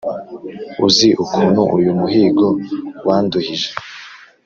uzi ukuntu uyu muhigo wanduhije?